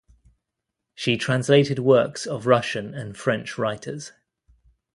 She translated works of Russian and French writers.